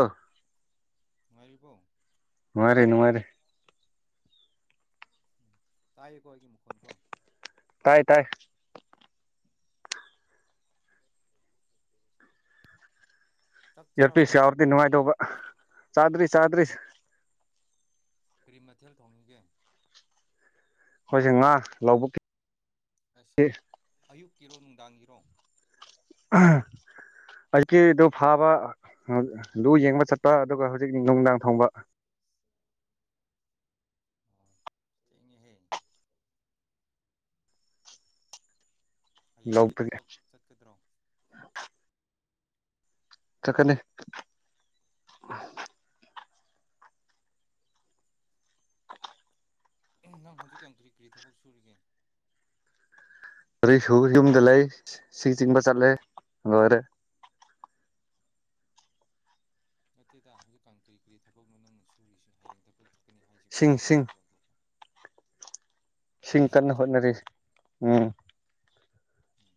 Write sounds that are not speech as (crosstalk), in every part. ꯑꯥ ꯅꯨꯉꯥꯏꯔꯤꯕꯣ ꯅꯨꯡꯉꯥꯏꯔꯦ ꯅꯨꯡꯉꯥꯏꯔꯦ ꯇꯥꯏꯀꯣ ꯑꯩꯒꯤ ꯃꯈꯣꯟ ꯀꯣ ꯇꯥꯏ ꯇꯥꯏ ꯆꯥꯛ ꯆꯥꯔꯕꯣ ꯏꯔꯄꯤꯁ ꯌꯥꯎꯔꯗꯤ ꯅꯨꯡꯉꯥꯏꯗꯧꯕ ꯆꯥꯗ꯭ꯔꯤ ꯆꯥꯗ꯭ꯔꯤ ꯀꯔꯤ ꯃꯊꯦꯜ ꯊꯣꯡꯉꯤꯒꯦ ꯈꯣꯏꯁꯦ ꯉꯥ ꯂꯧꯕꯨꯛꯀꯤ ꯑꯁ ꯑꯌꯨꯛ ꯀꯤꯔꯣ ꯅꯨꯡꯗꯥꯡꯒꯤꯔꯣ ꯑꯍ ꯑꯩꯀꯤꯗꯨ ꯐꯥꯕ ꯂꯨ ꯌꯦꯡꯕ ꯆꯠꯄ ꯑꯗꯨꯒ ꯍꯧꯖꯤꯛ ꯅꯨꯡꯗꯥꯡ ꯊꯣꯡꯕ ꯊꯦꯡꯉꯤꯍꯦ ꯍꯌꯦꯡꯗꯤ ꯂꯧꯕꯒꯤ ꯊꯕꯛ ꯆꯠꯀꯗ꯭ꯔꯣ ꯆꯠꯀꯅꯤ ꯅꯪ ꯍꯧꯖꯤꯛꯀꯥꯟ ꯀ꯭ꯔꯤ ꯀ꯭ꯔꯤ ꯊꯕꯛ ꯁꯨꯔꯤꯒꯦ ꯍꯨꯖꯤꯛ ꯁꯨ ꯌꯨꯝꯗ ꯂꯩ ꯁꯤꯡ ꯆꯤꯡꯕ ꯆꯠꯂꯦ ꯂꯣꯏꯔꯦ ꯅꯠꯇꯦꯗ ꯍꯧꯖꯤꯛꯀꯥꯟ ꯀꯔꯤ ꯀꯔꯤ ꯊꯕꯛꯅꯣ ꯅꯥꯡꯅ ꯁꯨꯔꯤꯁꯦ ꯍꯌꯦꯡ ꯊꯕꯛ ꯆꯠꯀꯅꯤ ꯍꯥꯏꯁꯤꯕꯨ ꯁꯤꯡ ꯁꯤꯡ ꯀꯔꯝꯕ ꯊꯕꯛꯅꯣ ꯁꯤꯡ ꯏꯁꯤꯡ ꯀꯟꯅ ꯆꯤꯡꯕ ꯍꯣꯠꯅꯔꯦ ꯎꯝ ꯎꯝ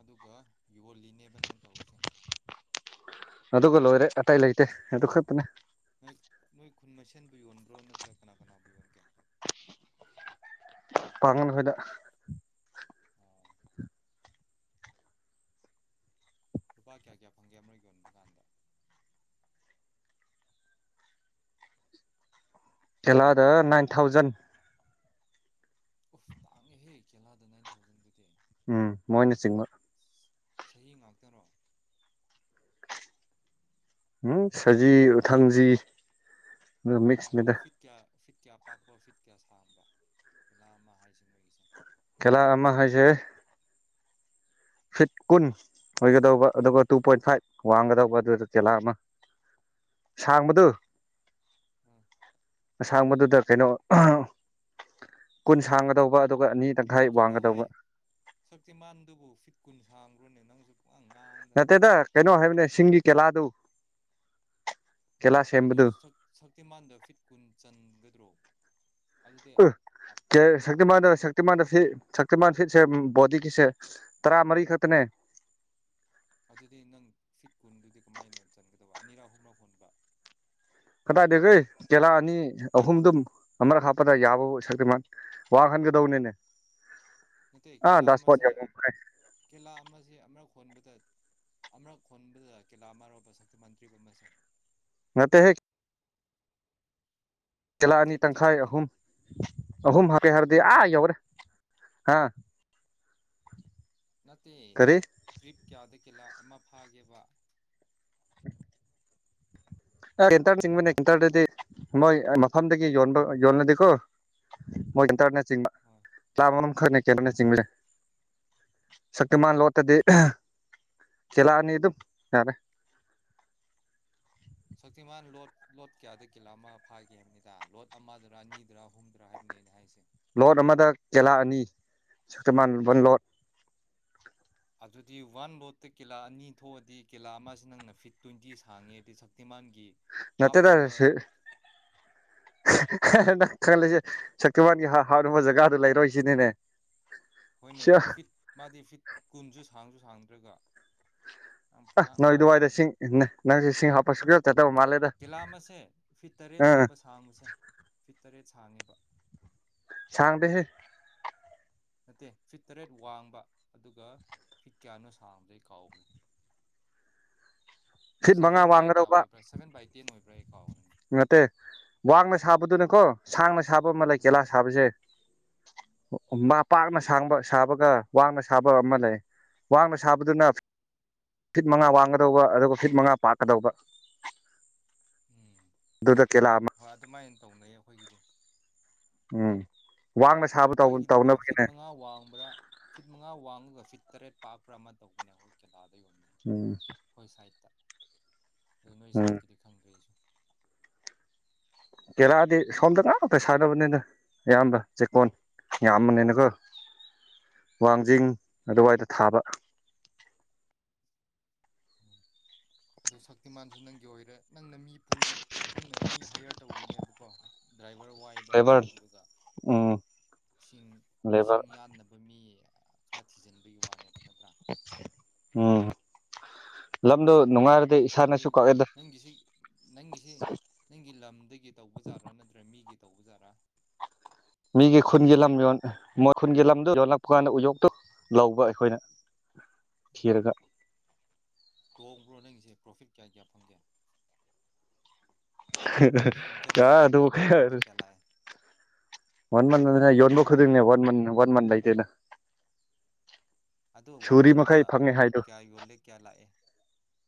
ꯑꯗꯨꯒ ꯌꯣꯜꯂꯤꯅꯦꯕ ꯅꯪ ꯇꯧꯔꯤꯁꯦ ꯑꯗꯨꯒ ꯂꯣꯏꯔꯦ ꯑꯇꯩ ꯂꯩꯇꯦ ꯑꯗꯨ ꯈꯛꯇꯅꯦ ꯅꯣꯏ ꯅꯣꯏ ꯈꯨꯟ ꯃꯁꯦꯟꯕꯨ ꯌꯣꯟꯕ꯭ꯔꯣ ꯅꯠꯇ꯭ꯔꯥ ꯀꯅꯥ ꯀꯅꯥꯕꯨ ꯌꯣꯟꯒꯦ ꯄꯥꯥꯉꯟ ꯍꯣꯏꯗ ꯑꯣ ꯂꯨꯄꯥ ꯀꯌꯥ ꯀꯌꯥ ꯐꯪꯒꯦ ꯑꯃꯔꯛ ꯌꯣꯟꯕ ꯀꯥꯟꯗ ꯊꯦꯂꯗ ꯅꯥꯏꯟ ꯊꯥꯎꯖꯟ ꯎꯐ ꯇꯥꯡꯉꯦꯍꯦ ꯈꯦꯂꯥꯗ ꯅꯥꯏꯟ ꯊꯥꯎꯖꯟꯗꯨꯗꯤ ꯎꯝ ꯃꯣꯏꯅ ꯁꯤꯡꯕ ꯁꯍꯤ ꯉꯥꯛꯇꯔꯣ ꯎꯨꯝ ꯁꯖꯤ ꯎꯊꯥꯡꯖꯤ ꯑꯗꯨ ꯐꯤꯠ ꯀꯤꯌꯥ ꯐꯤꯠ ꯀꯌꯥ ꯄꯥꯛꯄꯥ ꯐꯤꯠ ꯀꯌꯥ ꯁꯥꯡꯕꯔ ꯈꯦꯂ ꯑꯃ ꯍꯥꯏꯁꯦ ꯅꯣꯏꯒꯤꯁꯦ ꯀꯂꯥ ꯑꯃ ꯍꯥꯏꯁꯦ ꯐꯤꯠ ꯀꯨꯟ ꯑꯣꯏꯒꯗꯧꯕ ꯑꯗꯨꯒ ꯇꯨ ꯄꯣꯏꯟ ꯐꯥꯏꯚ ꯋꯥꯡꯒꯗꯧꯕ ꯑꯗꯨꯗ ꯇꯦꯂꯥ ꯑꯃ ꯁꯥꯡꯕꯗꯨ ꯎꯝ ꯑꯁꯥꯡꯕꯗꯨꯗ ꯀꯩꯅꯣ ꯀꯨꯟ ꯁꯥꯡꯒꯗꯧꯕ ꯑꯗꯨꯒ ꯑꯅꯤ ꯇꯪꯈꯥꯏ ꯆꯠꯂꯣ ꯋꯥꯡꯒꯗꯧꯕ ꯍꯪ ꯁꯛꯇꯤꯃꯥꯟꯗꯨꯕꯨ ꯐꯤꯠ ꯀꯨꯟ ꯁꯥꯥꯝꯕ꯭ꯔꯣꯅꯦ ꯅꯪꯁꯨ ꯄꯨꯉꯥꯡ ꯉ ꯅꯠꯇꯦꯗ ꯀꯩꯅꯣ ꯍꯥꯏꯕꯅꯦ ꯁꯤꯡꯒꯤ ꯀꯦꯂꯥꯗꯨ ꯀꯦꯂꯥ ꯑꯗꯨ ꯁꯦꯝꯕꯗꯨ ꯁꯛ ꯁꯛꯇꯤꯃꯥꯟꯗ ꯐꯤꯠ ꯀꯨꯟ ꯆꯟꯒ (inaudible) ꯀꯨꯔ ꯀꯧ ꯁꯛꯇꯤꯃꯥꯟꯗ ꯁꯛꯇꯤꯃꯥꯟꯗꯁꯦ ꯁꯛ ꯁꯇꯤꯃꯥꯟ ꯁꯤꯁꯦꯝ ꯕꯣꯗꯤꯒꯤꯁꯦ ꯇꯔꯥ ꯃꯔꯤ ꯈꯛꯇꯅꯦ ꯑꯗꯨꯗꯤ ꯅꯪ ꯐꯤꯠ ꯀꯨꯟꯗꯨꯗꯤ ꯀꯃꯥꯏꯅ ꯆꯟꯒꯗꯕ ꯑꯅꯤꯔꯛ ꯑꯨꯝꯂꯛ ꯍꯣꯟꯕ ꯀꯗꯥꯏꯗꯒꯤ ꯇꯦꯂꯥ ꯑꯅꯤ ꯑꯍꯨꯝꯗꯨꯝ ꯑꯃꯔꯛ ꯍꯥꯞꯄꯗ ꯌꯥꯕꯕꯨ ꯁꯛꯇꯤꯃꯥꯟ ꯋꯥꯡꯍꯟꯒꯗꯧꯅꯤꯅꯦ ꯅꯠꯇꯦ ꯑꯥ ꯀꯦꯂꯥ ꯗꯥꯁꯄꯣꯠ ꯑꯃꯁꯦ ꯌꯧ ꯑꯝ ꯀꯦꯂꯥ ꯑꯃꯁ ꯑꯃꯔꯛ ꯈꯣꯟꯕꯗ ꯑꯃꯔꯛ ꯈꯣꯟꯕꯗ ꯀꯦꯂꯥ ꯑꯃꯔꯣꯕ ꯁꯛꯇꯤꯃꯥꯟ ꯇ꯭ꯔꯤꯞ ꯑꯃꯁꯦ ꯅꯠꯇꯦ ꯍꯦꯛ ꯀꯦꯂꯥ ꯑꯅꯤ ꯇ꯭ꯔꯤꯞ ꯀꯌꯥꯗ ꯇꯪꯈꯥꯏ ꯀꯦꯂꯥ ꯑꯍꯨꯝ ꯑꯍꯨꯝ ꯍꯥꯄꯦ ꯍꯥꯔꯗꯤ ꯑ ꯌꯧꯔꯦ ꯍꯥ ꯅꯠꯇꯦ ꯀꯔꯤ ꯇ꯭ꯔꯤꯞ ꯀꯌꯥꯗ ꯀꯤꯂꯥ ꯑꯃ ꯐꯥꯒꯦꯕ (inaudible) ꯇꯥ ꯔꯦꯠꯇ ꯆꯤꯡꯕꯅꯦ ꯂꯤꯇꯥꯟꯗꯗꯤ ꯃꯣꯢ ꯃꯐꯝꯗꯒꯤ ꯌꯣꯟꯕ ꯌꯣꯜꯂꯗꯤꯀꯣ ꯃꯣꯢꯗ ꯇꯔꯅꯦꯠ ꯇꯤꯃꯥ ꯍꯣꯏ ꯆꯥꯝꯃꯔꯣꯝ ꯈꯔꯅꯦ ꯀꯦꯔꯅ ꯆꯤꯡꯕꯁꯦ ꯁꯛꯇꯤꯃꯥꯟ ꯂꯣꯠꯇꯗꯤ ꯊꯦꯂꯥꯑꯅꯤ ꯗꯨꯝ ꯌꯥꯔꯦ ꯁꯛꯇꯤꯃꯥꯟ ꯂꯣꯠ ꯂꯣꯠ ꯀꯌꯥꯗ ꯀꯤꯂꯥ ꯑꯃ ꯐꯥꯒꯦ ꯍꯥꯏꯕꯅꯤꯗ ꯂꯣꯠ ꯑꯃꯗꯔꯥ ꯑꯅꯤꯗꯔꯥ ꯑꯍꯨꯝꯗ꯭ꯔꯥ ꯍꯥꯏꯕꯅꯤ ꯑꯩꯅ ꯍꯥꯏꯁꯦ ꯂꯣꯠ ꯑꯃꯗ ꯀꯦꯂꯥ ꯑꯅꯤ ꯁꯛꯇꯤꯃꯥꯟ ꯎꯕꯟ ꯂꯣꯠ ꯑꯗꯨꯗꯤ ꯋꯥꯟ ꯂꯣꯠꯇ ꯀꯤꯂꯥ ꯑꯅꯤ ꯊꯣꯛꯑꯗꯤ ꯀꯤꯂꯥ ꯑꯃꯁꯤ ꯅꯪꯅ ꯐꯤꯠ ꯇ꯭ꯋꯦꯟꯇꯤ ꯁꯥꯡꯉꯦꯗꯤ ꯁꯛꯇꯤꯃꯥꯟꯒꯤ ꯅꯠꯇꯦ ꯇ ꯍꯥꯞꯅꯕ ꯈꯪꯜꯂꯤꯁꯦ ꯁꯛꯇꯤꯌꯕꯥꯟꯒꯤ ꯍꯥꯎꯕ ꯖꯒꯥꯗꯨ ꯂꯩꯔꯣꯏ ꯁꯤꯅꯤꯅꯦ ꯍꯣꯏꯅꯦ ꯐꯤꯠ ꯃꯥꯗꯤ ꯐꯤꯠ ꯀꯨꯟꯁꯨ ꯁꯥꯡꯁꯨ ꯁꯥꯡꯗ꯭ꯔꯒ ꯌꯥꯝ ꯑ ꯄꯨꯡꯉꯥꯡ ꯅꯣꯏ ꯋꯥꯏꯗ ꯉꯥꯡꯗꯅ ꯁꯤꯡ ꯅꯪꯁꯨ ꯁꯤꯡ ꯍꯥꯞꯄ ꯁꯨ ꯍꯥꯞꯄ ꯆꯠꯇꯕ ꯃꯥꯜꯂꯦꯗ ꯀꯤꯂꯥ ꯑꯃꯁꯦ ꯐꯤꯠ ꯎ ꯇꯔꯦꯠꯅꯦꯕ ꯁꯥꯡꯕꯁꯦ ꯐꯤꯠ ꯇꯔꯦꯠ ꯁꯥꯡꯉꯦꯕ ꯁꯥꯡꯗꯍꯦ ꯅꯠꯇꯦ ꯐꯤꯠ ꯇꯔꯦꯠ ꯋꯥꯡꯕ ꯑꯗꯨꯒ ꯐꯤꯠ ꯀꯌꯥꯅꯣ ꯁꯥꯡꯕꯗꯩ ꯀꯥꯎꯈ꯭ꯔꯦ ꯐꯤꯠ ꯃꯉꯥ ꯁꯚꯦꯟ ꯕꯥꯏ ꯀꯌꯥ ꯋꯥꯡꯒꯗꯧꯕ ꯑꯣꯏꯕ꯭ꯔꯥ ꯁꯚꯦꯟ ꯕꯥꯏ ꯇꯦꯟ ꯑꯣꯏꯕ꯭ꯔꯥ ꯀꯥꯎꯈ꯭ꯔꯅꯤ ꯅꯠꯇꯦ ꯋꯥꯡꯅ ꯁꯥꯕꯗꯨꯅꯤꯀꯣ ꯁꯥꯡꯅ ꯁꯥꯕ ꯑꯃ ꯂꯩ ꯀꯦꯂꯥ ꯁꯥꯕꯁꯦ ꯄꯥꯛꯅ ꯁꯥꯡꯕ ꯁꯥꯕꯒ ꯋꯥꯡꯅ ꯁꯥꯕ ꯑꯃ ꯂꯩ ꯋꯥꯡꯅ ꯁꯥꯕꯗꯨꯅ ꯐꯤꯠ ꯃꯉꯥ ꯋꯥꯡꯒꯗꯧꯕ ꯑꯗꯨꯒ ꯐꯤꯠ ꯃꯉꯥ ꯄꯥꯛꯀꯗꯧꯕ ꯎꯝ ꯑꯗꯨꯗ ꯀꯦꯂꯥ ꯑꯃ ꯍꯣꯏ ꯑꯗꯨꯃꯥꯏꯅ ꯇꯧꯅꯩꯌꯦ ꯎꯝ ꯋꯥꯡꯅ ꯁꯥꯕ ꯑꯩꯈꯣꯏꯒꯤꯗꯤꯀꯣ ꯐꯤꯠ ꯇꯧꯅꯕꯒꯤꯅꯦ ꯃꯉꯥ ꯋꯥꯡꯕ꯭ꯔꯥ ꯐꯤꯠ ꯃꯉꯥ ꯋꯥꯡꯉꯒ ꯐꯤꯠ ꯇꯔꯦꯠ ꯄꯥꯞꯕ꯭ꯔꯥ ꯑꯃ ꯇꯧꯕꯅꯦ ꯍꯣꯏ ꯇꯥꯗ ꯌꯣꯟ ꯎꯝ ꯍꯣꯏ ꯁꯥꯏꯠꯇ ꯑꯗꯨ ꯅꯣꯏ ꯎꯝ ꯁꯥꯏꯠꯀꯤꯗꯤ ꯈꯪꯗꯔꯤ ꯑꯩꯁꯨ ꯀꯦꯔꯥꯗꯤ ꯁꯣꯝꯗ ꯉꯥꯛꯇ ꯁꯥꯟꯅꯕꯅꯤꯅ ꯑꯌꯥꯝꯕ ꯆꯦꯛꯀꯣꯟ ꯌꯥꯝꯕꯅꯤꯅꯀꯣ ꯋꯥꯡꯖꯤꯡ ꯑꯗꯨꯋꯥꯏꯗ ꯊꯥꯕ ꯎꯝ ꯑꯗꯨ ꯁꯛꯇꯤꯃꯥꯟꯁꯨ ꯅꯪꯒꯤ ꯑꯣꯏꯔꯦ ꯅꯪꯅ ꯃꯤ ꯄꯨꯔꯤ ꯅꯪꯅ ꯃꯤ ꯍꯥꯏꯌꯔ ꯇꯧꯔꯤꯅꯦꯕꯀꯣ ꯗ꯭ꯔꯚꯔ ꯕꯔ ꯋꯥꯏꯕ ꯂꯦꯕꯔ ꯑꯗꯨꯒ ꯎꯝ ꯏꯁꯤꯡ ꯂꯦꯕꯔ ꯏꯁꯤꯡ ꯌꯥꯟꯅꯕ ꯃꯤ ꯈꯔ ꯊꯤꯖꯤꯟꯕꯒꯤ ꯋꯥꯅꯦꯕ ꯅꯠꯇ ꯎꯝ ꯂꯝꯗꯣ ꯅꯨꯡꯉꯥꯏꯔ ꯑꯗꯨ ꯅꯪꯒꯤꯁꯤ ꯅꯪꯒꯤꯁꯤ ꯅꯪꯒꯤ ꯂꯝꯗꯒꯤ ꯇꯧꯕꯖꯥꯠ꯭ꯔꯥ ꯅꯠꯇ꯭ꯔꯦ ꯃꯤꯒꯤ ꯇꯧꯕꯖꯥꯔꯥ ꯃꯤꯒꯤ ꯈꯨꯟꯒꯤ ꯂꯝ ꯌ ꯃꯣꯏ ꯈꯨꯟꯒꯤ ꯂꯝꯗꯨꯣ ꯌꯣꯜꯂꯛꯄ ꯀꯥꯟꯗ ꯎꯌꯣꯛꯇꯣ ꯂꯧꯕ ꯑꯩꯈꯣꯏꯅ ꯊꯤꯔꯒ ꯍꯣꯡꯕ꯭ꯔꯣ ꯅꯪꯁꯦ ꯄ꯭ꯔꯣꯐꯤꯠ ꯀꯌꯥ ꯀꯌꯥ ꯐꯪꯒꯦ ꯅꯪꯒꯤ ꯌꯥ ꯏꯟꯀꯝꯁꯦ ꯑꯗꯨ ꯋꯥꯟ ꯃꯟꯗ ꯍꯥꯏ ꯀꯌꯥ ꯂꯥꯛꯑꯦ ꯋꯥꯟ ꯃꯟꯅ ꯌꯣꯟꯕ ꯍꯥ ꯈꯨꯗꯤꯡꯅꯦ ꯋꯥꯟ ꯃꯟ ꯋꯥꯟ ꯃꯟ ꯂꯩꯇꯦꯅ ꯑꯗꯨ ꯋꯥꯟ ꯁꯨꯔꯤ ꯃꯟꯗ ꯃꯈꯩ ꯐꯪꯉꯦ ꯑꯗꯨꯝ ꯍꯥꯏꯗꯣ ꯀꯌꯥ ꯌꯣꯜꯂꯦ ꯀꯌꯥ ꯂꯥꯛꯑꯦ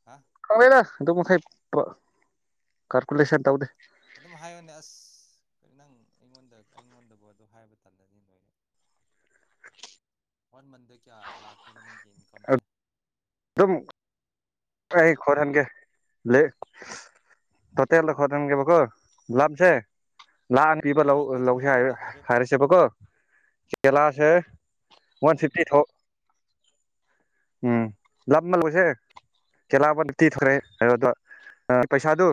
ꯍꯥ ꯈꯪꯗꯦꯗ ꯑꯗꯨ ꯃꯈꯩꯏ ꯀꯥꯜꯀꯨꯂꯦꯁꯟ ꯇꯧꯗꯦ ꯑꯗꯨꯝ ꯍꯥꯏꯌꯅꯦ ꯑꯁ ꯅꯪ ꯑꯩꯉꯣꯟꯗ ꯑꯩꯉꯣꯟꯗꯕꯨ ꯑꯗꯨ ꯍꯥꯏꯕ ꯇꯥꯟꯗꯗꯤ ꯅꯣꯏꯅꯦ ꯋꯥꯟ ꯃꯟꯗ ꯀꯌꯥ ꯂꯥꯛꯀꯦꯕ ꯅꯪꯒꯤ ꯏꯟꯀꯝꯁꯦ ꯑꯗꯨꯝ ꯑꯩ ꯈ ꯊꯦꯟꯒꯦ ꯂꯩ ꯇꯣꯇꯦꯜꯗ ꯈ ꯊꯦꯟꯒꯦꯀꯣ ꯂꯞꯁꯦ ꯂꯥꯟꯅ ꯄꯤꯕ ꯆꯥꯎꯔꯛꯄ ꯑꯗꯨꯝ ꯂꯧꯁꯦ ꯍꯥꯏ ꯍꯥꯏꯌꯣꯅꯦ ꯍꯥꯏꯔꯦꯞ ꯍꯥꯏꯔꯁꯦꯕꯀꯣ ꯀꯦꯂꯁꯦ ꯋꯥꯟ ꯐꯤꯞꯇꯤ ꯎꯝ ꯊꯣ ꯎꯝ ꯂꯝ ꯑꯃ ꯂꯧꯁꯦ ꯆꯦꯂꯥꯕ ꯇꯤ ꯊꯣꯛꯈ꯭ꯔꯦ ꯑꯗꯨꯗ ꯄꯩꯁꯥꯗꯨ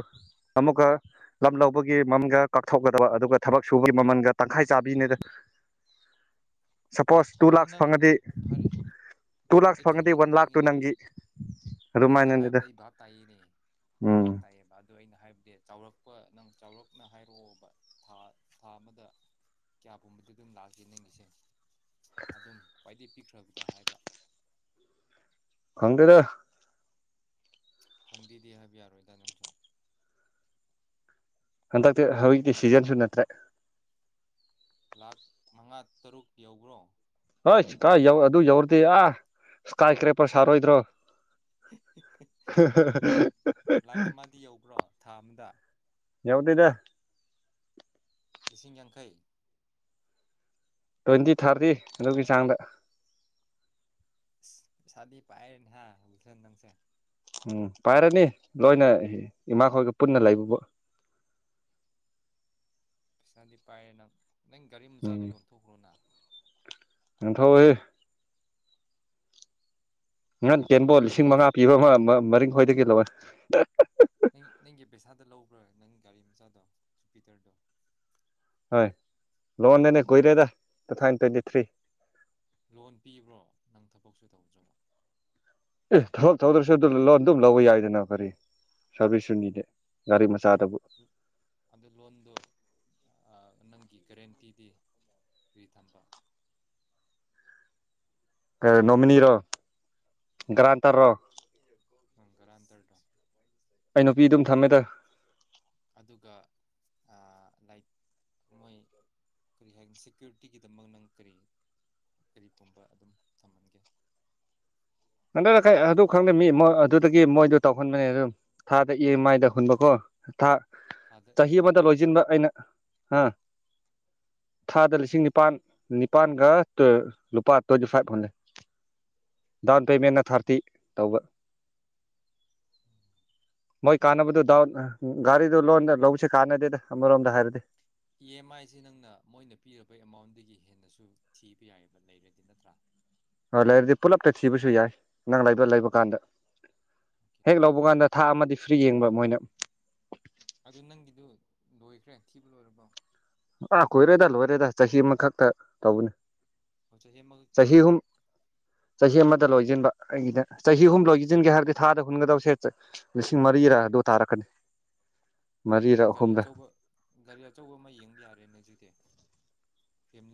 ꯑꯃꯨꯛꯀ ꯂꯝ ꯂꯧꯕꯒꯤ ꯃꯃꯜꯒ ꯀꯥꯞꯊꯣꯛꯀꯗꯕ ꯑꯗꯨꯒ ꯊꯕꯛ ꯁꯨꯕꯒꯤ ꯃꯃꯜꯒ ꯇꯪꯈꯥꯏ ꯆꯥꯕꯤꯅꯦꯗ ꯁꯄꯣꯁ ꯇꯨ ꯑꯗꯨ ꯂꯥꯛꯁ ꯅꯪ ꯐꯪꯉꯗꯤ ꯑꯩ ꯐꯔꯦ ꯇꯨ ꯂꯥꯛꯁ ꯑꯩ ꯐꯪꯉꯗꯤ ꯈꯪꯉꯦꯅꯦ ꯋꯥꯟ ꯂꯥꯛ ꯈꯪꯉꯦꯅꯦ ꯅꯪꯅ ꯍꯥꯏꯕꯗ ꯑꯩ ꯚꯥꯞ ꯇꯥꯏꯌꯦꯅꯦ ꯑꯩ ꯎꯝ ꯚꯥꯞ ꯇꯥꯏꯌꯦꯕ ꯑꯗꯨꯣ ꯑꯩꯅ ꯍꯥꯏꯕ ꯗꯦ ꯆꯥꯎꯔꯛꯄ ꯅꯪ ꯆꯥꯎꯔꯛꯅ ꯍꯥꯏꯔꯛꯑꯣꯕ ꯊꯥ ꯊꯥ ꯑꯃꯗ ꯀꯌꯥ ꯄꯨꯝꯕꯗꯤ ꯑꯗꯨꯝ ꯂꯥꯛꯒꯦ ꯅꯪꯒꯤꯁꯦ ꯑꯗꯨꯝ ꯈ꯭ꯋꯥꯏꯗꯒꯤ ꯄꯤꯛꯈ꯭ꯔꯕꯗ ꯍꯥꯏꯔꯒ ꯈꯪꯗꯦꯗ ꯈꯪꯗꯦꯗꯤ ꯍꯥꯏꯕ ꯌꯥꯔꯣꯏꯗ ꯅꯪꯁꯨ ꯍꯟꯗꯛꯇꯤ ꯍꯧꯖꯤꯛꯇꯤ ꯁꯤꯖꯟ ꯁꯨ ꯅꯠꯇ꯭ꯔꯦ ꯂꯥꯛ ꯃꯉꯥ ꯇꯔꯨꯛ ꯌꯧꯕ꯭ꯔꯣ ꯍꯣꯏ ꯀ ꯌꯧ ꯑꯗꯨ ꯌꯧꯔꯗꯤ ꯑ ꯁꯀꯥꯏ ꯀ꯭ꯔꯦꯄꯔ ꯁꯔꯣꯏꯣꯏꯗ꯭ꯔꯣ ꯍꯦ ꯍꯦ ꯍꯦ ꯂꯥꯛ ꯑꯃꯗꯤ ꯌꯧꯕ꯭ꯔꯣ ꯊꯥ ꯑꯃꯗ ꯌꯥꯎꯗꯦꯗ ꯂꯤꯁꯤꯡ ꯌꯥꯡꯈꯩ ꯇ꯭ꯋꯦꯟꯇꯤ ꯊꯥꯔꯇꯤ ꯑꯗꯨꯒꯤ ꯆꯥꯡꯗ ꯄꯩꯁꯥꯗꯤ ꯄꯥꯏꯔꯦ ꯅꯦ ꯍꯥ ꯂꯤꯈꯜ ꯅꯪꯁꯦ ꯎꯝ ꯄꯥꯏꯔꯅꯤ ꯂꯣꯏꯅ ꯏꯃꯥꯈꯣꯏꯒ ꯄꯨꯟꯅ ꯂꯩꯕꯕꯨ ꯄꯩꯁꯥꯗꯤ ꯄꯥꯏꯔꯦ ꯅꯪ ꯅꯪ ꯒꯥꯔꯤ ꯃꯆꯥꯗ ꯌꯣꯟꯊꯣꯛꯈ꯭ꯔꯣꯅ ꯐꯖꯥ ꯊꯧꯍꯦ ꯅꯟ ꯇꯦꯟꯕꯣꯜ ꯅꯪꯒꯤ ꯂꯤꯁꯤꯡ ꯃꯉꯥ ꯄꯩꯁꯥ ꯄꯤꯕ ꯑꯃ ꯃꯔꯤ ꯈ꯭ꯣꯏꯏꯗꯒꯤ ꯂꯧꯋꯦ ꯅꯪ ꯅꯪꯒꯤ ꯄꯩꯁꯥꯗ ꯂꯧꯕ꯭ꯔꯥ ꯅꯪ ꯒꯥꯔꯤ ꯃꯆꯥꯗꯣ ꯆꯨꯄꯤꯗꯔꯗꯣ ꯍꯣꯏ ꯂꯣꯟꯅꯦꯅ ꯀꯣꯏꯔꯦꯗ ꯇꯨ ꯊꯥꯎꯖꯟ ꯇ꯭ꯋꯦꯟꯇꯤ ꯊ꯭ꯔꯤ ꯂꯣꯟ ꯄꯤꯕ꯭ꯔꯣ ꯅꯪ ꯊꯕꯛꯁꯨ ꯇꯧꯗ꯭ꯔꯕ ꯑꯦ ꯊꯕꯛ ꯊꯧꯗ꯭ꯔꯁꯨ ꯑꯗꯨ ꯂꯣꯟ ꯑꯗꯨꯝ ꯂꯧꯕ ꯌꯥꯏꯗꯅ ꯀꯔꯤ ꯁꯥꯔꯚꯤꯁꯁꯨꯅꯤꯗꯦ ꯒꯥꯔꯤ ꯃꯆꯥ ꯑꯗꯨ ꯂꯣꯟꯗꯨ ꯅꯪꯒꯤ ꯒꯔꯦꯟꯇꯤꯗꯤ ꯀꯔꯤ ꯊꯝꯕ ꯑ ꯅꯣꯃꯤꯅꯤꯔꯣ ꯒꯔꯥꯟꯇ꯭ꯔ ꯔꯣ ꯍꯪꯀꯔꯥꯟꯇꯔ ꯗꯣ ꯑꯩ ꯅꯨꯄꯤ ꯑꯗꯨꯝ ꯊꯝꯃꯦꯗ ꯑꯗꯨꯒ ꯂꯥꯏꯛ ꯃꯣꯏ ꯀꯔꯤ ꯍꯥꯏꯅꯤ ꯁꯦꯀ꯭ꯌꯨꯔꯤꯇꯤꯒꯤꯗꯃꯛ ꯅꯪ ꯀꯔꯤ ꯀꯔꯤ ꯄꯨꯝꯕ ꯑꯗꯨꯝ ꯊꯝꯍꯟꯒꯦ ꯍꯟꯗꯥꯏ ꯑꯗꯨ ꯈꯪꯗꯦ ꯍꯥꯏꯕ ꯃꯤ ꯃ ꯑꯗꯨ ꯑꯗꯨꯒꯤ ꯃꯣꯏꯗ ꯇꯧꯍꯟꯕꯅꯦ ꯑꯗꯨꯝ ꯊꯥꯗ ꯏ ꯃꯥꯏꯗ ꯍꯨꯟꯕꯀꯣ ꯊꯥ ꯊꯥꯗ ꯆꯍꯤ ꯀꯌꯥ ꯑꯃꯗ ꯍꯨꯟꯕ ꯂꯣꯏꯁꯤꯟꯕ ꯑꯩꯅ ꯍꯥ ꯊꯥꯗ ꯂꯤꯁꯤꯡ ꯅꯤꯄꯥꯜ ꯅꯤꯄꯥꯜꯒ ꯂꯨꯄꯥ ꯇ꯭ꯋꯦꯟꯇꯤ ꯐꯥꯏꯚ ꯐꯪꯉꯦ ꯗꯥꯎꯟ ꯄꯦꯃꯦꯟꯅ ꯊꯥꯔꯇꯤ ꯇꯧꯕ ꯃꯣꯏ ꯀꯥꯟꯅꯕꯗꯨ ꯗꯗꯥꯎꯠ ꯑꯗꯨꯅ ꯎꯝ ꯒꯥꯔꯤꯗꯨ ꯂꯣꯟ ꯂꯧꯕꯦ ꯀꯥꯟꯗꯦꯗ ꯑꯃꯔꯣ ꯑꯝꯗ ꯍꯥꯏꯔꯗꯤ ꯏ ꯑꯦꯝ ꯑꯥꯏꯁꯤ ꯅꯪꯅ ꯃꯣꯏꯅ ꯄꯤꯔꯕ ꯑꯦꯃꯥꯎꯟꯗꯒꯤ ꯍꯦꯟꯅꯁꯨ ꯊꯤꯕ ꯌꯥꯏꯑꯕ ꯂꯩꯔꯗꯤ ꯅꯠꯇ꯭ꯔꯥ ꯍꯣꯏ ꯂꯩꯔꯗꯤ ꯄꯨꯂꯞꯇ ꯊꯤꯕꯁꯨ ꯌꯥꯏ ꯅꯪ ꯂꯩꯕ ꯂꯩꯕ ꯀꯥꯟꯗ ꯑꯣꯀꯦ ꯍꯦꯛ ꯂꯧꯕ ꯀꯥꯟꯗ ꯊꯥ ꯑꯃꯗꯤ ꯐ꯭ꯔꯤ ꯌꯦꯡꯕ ꯃꯣꯏꯅ ꯑꯗꯨ ꯅꯪꯒꯤꯗꯨ ꯂꯣꯏꯈ꯭ꯔꯦ ꯊꯤꯕ ꯂꯣꯏꯔꯕꯣ ꯑꯥ ꯀꯣꯏꯔꯦꯗ ꯂꯣꯏꯔꯦꯗ ꯆꯍꯤ ꯑꯃꯈꯛꯇ ꯇꯧꯕꯅꯦ ꯑꯣ ꯆꯍꯤ ꯑꯃꯈꯛ ꯆꯍꯤ ꯊꯤꯕ ꯑꯍꯨꯝ ꯆꯍꯤ ꯑꯃꯗ ꯂꯣꯏꯁꯤꯟꯕ ꯑꯩꯒꯤꯗ ꯆꯍꯤ ꯑꯍꯨꯝ ꯂꯧ ꯌꯦꯁꯤꯟꯒꯦ ꯍꯥꯏꯔꯗꯤ ꯊꯥꯗ ꯍꯨꯟꯒꯗꯕꯁꯦ ꯂꯤꯁꯤꯡ ꯃꯔꯤꯔ ꯑꯗꯨ ꯇꯥꯔꯛꯀꯅꯤ ꯃꯔꯤꯔ ꯅꯪ ꯒꯥꯔꯤ ꯑꯍꯨꯝꯔ ꯑꯆꯧꯕ ꯒꯥꯔꯤ ꯑꯆꯧꯕ ꯑꯃ ꯌꯦꯡꯕ ꯌꯥꯔꯦ ꯔꯦꯅꯖꯤꯗꯦ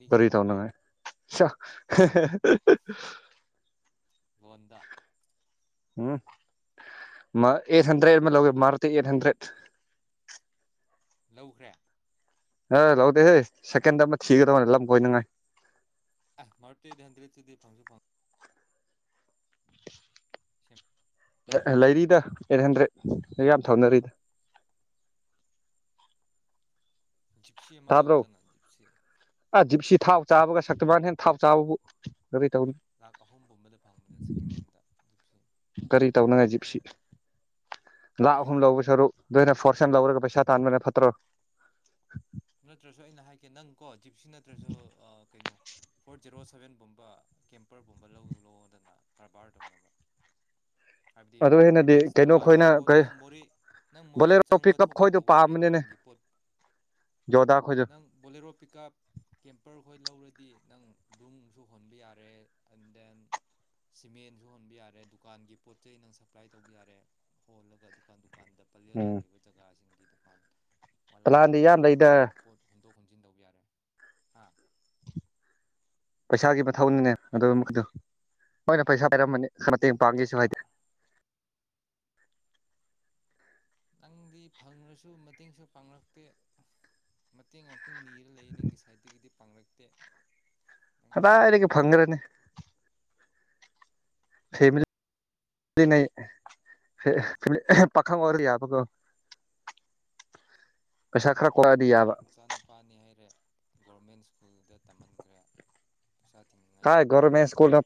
ꯋꯔꯤ ꯇꯥꯎ ꯅꯉꯥꯏ ꯂꯣꯟꯗ ꯎꯝ ꯃ ꯑꯦꯠ ꯍꯟꯗ꯭ꯔꯦꯠ ꯂꯧ ꯃꯔꯨꯇꯤ ꯑꯦꯠ ꯍꯟꯗ꯭ꯔꯦꯠ ꯂꯧꯈ꯭ꯔꯦ ꯑ ꯂꯧꯗꯦꯍꯦ ꯁꯦꯀꯦꯟꯗ ꯑꯃ ꯊꯤꯒꯗꯕꯅꯦ ꯂꯝ ꯀꯣꯏꯅꯉꯥꯏ ꯑ ꯃꯔꯨꯇꯤ ꯑꯦꯠ ꯍꯟꯗ꯭ꯔꯦꯠꯗꯤ ꯐꯪꯁꯨ ꯐꯪ ꯁꯤ ꯂꯩꯔꯤꯗ ꯑꯩꯠ ꯍꯟꯗ꯭ꯔꯦꯠ ꯌꯥꯝ ꯊꯧꯅꯔꯤꯗ ꯖꯤꯞꯁꯤ ꯑꯃ ꯇꯥꯕ꯭ꯔꯣ ꯂꯧꯗꯅ ꯖꯤꯞꯁꯤ ꯑ ꯖꯤꯞꯁꯤ ꯊꯥꯎ ꯆꯥꯕꯒ ꯁꯛꯇꯤ ꯃꯥꯟ ꯍꯦꯟ ꯊꯥꯎ ꯆꯥꯕꯕꯨ ꯀꯔꯤ ꯇꯧ ꯂꯥꯛ ꯑꯍꯨꯝ ꯒꯨꯝꯕꯗ ꯐꯪꯕꯅꯦ ꯁꯦꯀꯦꯟ ꯍꯦꯟꯗꯣ ꯖꯤꯞꯁꯦ ꯀꯔꯤ ꯇꯧꯅꯉꯥꯏꯒꯤ ꯖꯤꯞꯁꯤ ꯂꯥꯛ ꯑꯍꯨꯝ ꯂꯧꯗ ꯁꯔꯨꯛ ꯐꯥꯔꯁ ꯍꯦꯟ ꯂꯧꯔꯒ ꯄꯩꯁꯥ ꯇꯥꯟꯕꯅ ꯐꯠꯇꯔꯣ ꯅꯠꯇ꯭ꯔꯁꯨ ꯑꯩꯅ ꯍꯥꯏꯒꯦ ꯅꯪꯀꯣ ꯖꯤꯞꯁꯤ ꯅꯠꯇ꯭ꯔꯁꯨ ꯀꯩꯅꯣ ꯐꯣꯔ ꯖꯦꯔꯣ ꯁꯚꯦꯟꯒꯨꯝꯕ ꯀꯦꯝꯄꯔꯒꯨꯝꯕ ꯂꯧ ꯂꯣꯗꯅ ꯀꯔꯕꯥꯔ ꯇꯧꯅꯕ ꯍꯥꯏꯕꯗꯤ ꯑꯗꯨ ꯍꯦꯟꯅꯗꯤ ꯃꯤꯟꯁ ꯀꯩꯅꯣ ꯗꯨꯀꯥꯟꯒꯤ ꯈꯣꯏꯅ ꯄꯣꯠ ꯀꯩ ꯅꯪ ꯃꯣꯔꯦ ꯅꯪ ꯃꯣꯔꯦ ꯕꯣꯂꯦꯔꯣ ꯆꯪꯕ ꯄꯤꯛꯑꯞ ꯊꯣꯛꯄ ꯈꯣꯏꯗꯣ ꯇꯧꯕ ꯌꯥꯔꯦ ꯄꯥꯝꯕꯅꯤꯅꯦ ꯗꯨꯀꯥꯟꯒꯤ ꯄꯣꯠ ꯌꯣꯗꯥ ꯈꯣꯏꯗꯣ ꯅꯪ ꯕꯣꯂꯦꯔꯣ ꯄꯤꯛꯑꯞ ꯀꯦꯝꯄꯔ ꯑꯩꯈꯣꯏ ꯂꯧꯔꯗꯤ ꯅꯪ ꯅꯨꯡꯁꯨ ꯍꯣꯟꯕ ꯌꯥꯔꯦ ꯑꯦꯟ ꯗꯦꯟ ꯁꯤꯃꯦꯟꯁꯨ ꯍꯣꯟꯕ ꯌꯥꯔꯦ ꯗꯨꯀꯥꯟꯒꯤ ꯄꯣꯠ ꯆꯩ ꯅꯪ ꯁꯞꯄ꯭ꯂꯥꯏ ꯇꯧꯕ ꯌꯥꯔꯦ ꯍꯣꯜꯂꯒ ꯗꯨꯀꯥꯟ ꯗꯨꯀꯥꯟ ꯗꯨꯀꯥꯟꯗ ꯄꯂꯦꯜꯗ ꯂꯩꯕ ꯖꯒꯥꯁꯤꯡꯒꯤ ꯗꯨꯀꯥꯟ ꯄꯂꯥꯟꯗꯤ ꯌꯥꯟ ꯗ ꯍꯟꯗꯣꯛ ꯍꯨꯟꯖꯤꯟ ꯇꯧꯕ ꯌꯥꯔꯦ ꯑ ꯄꯩꯁꯥꯒꯤ ꯃꯊꯧꯅꯤꯅꯦ ꯑꯗꯨꯛ ꯃꯈꯩꯗꯣ ꯅꯣꯏꯅ ꯄꯩꯁꯥ ꯍꯥꯏꯔꯝꯃꯅꯤ ꯈꯔꯅ ꯑꯗꯨ ꯅꯪ ꯃꯇꯦꯡ ꯄꯥꯡꯒꯦꯁꯨ ꯀꯔꯕꯥꯔ ꯍꯥꯏꯗꯦ ꯅꯪꯗꯤ ꯐꯪꯉ꯭ꯔꯁꯨ ꯃꯇꯦꯡꯁꯨ ꯄꯥꯡꯉꯛꯇꯦ ꯃꯇꯦꯡ ꯄꯤ ꯅꯤꯔ ꯂꯩꯌꯦ ꯅꯪꯒꯤ ꯁꯥꯏꯠꯇꯒꯤꯗꯤ ꯄꯥꯡꯂꯛꯇꯦ ꯀꯗꯥꯏꯗꯒꯤ ꯐꯪ꯭ꯔꯅꯤ ꯐꯦꯝꯂꯤ (unintelligible) ꯄꯥꯈꯪ ꯑꯣꯏꯔ ꯌꯥꯕꯀꯣ ꯄꯩꯁꯥ ꯈꯔ ꯀ ꯏꯆꯥ ꯅꯨꯨꯄꯥꯅꯤ ꯍꯥꯏꯔꯦ ꯒꯣꯔꯃꯦꯟ ꯁ꯭ꯀꯨꯜꯗ ꯇꯝꯍꯟꯈ꯭ꯔꯦ ꯄꯩꯁꯥ ꯇꯤꯡꯅꯤꯡꯉꯥꯏ ꯀꯥꯏ ꯂꯩꯇ꯭ꯔꯦ ꯒꯣꯔꯃꯦꯟ ꯁ꯭ꯀꯨꯜꯅꯣ